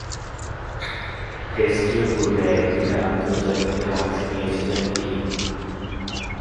টেস্টের পূর্বে একদিনের আন্তর্জাতিকে অংশ নিয়েছিলেন তিনি।